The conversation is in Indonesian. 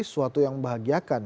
itu suatu yang membahagiakan